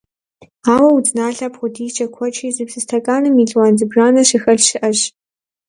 Ауэ удзналъэр апхуэдизкӀэ куэдщи, зы псы стэканым мелуан зыбжанэ щыхэлъ щыӀэщ.